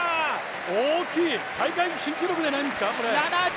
大きい、大会新記録じゃないんですか、これ。